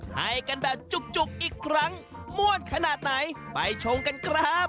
ให้กันแบบจุกอีกครั้งม่วนขนาดไหนไปชมกันครับ